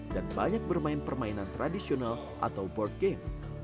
dan banyak bermain permainan tradisional atau board game